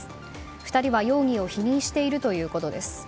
２人は容疑を否認しているということです。